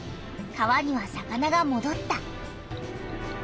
川には魚がもどった。